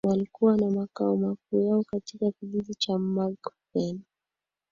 walikuwa na makao makuu yao katika kijiji cha Magbeni